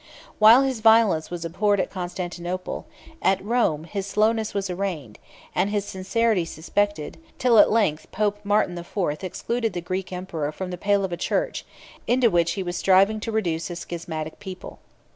While his violence was abhorred at Constantinople, at Rome his slowness was arraigned, and his sincerity suspected; till at length Pope Martin the Fourth excluded the Greek emperor from the pale of a church, into which he was striving to reduce a schismatic people.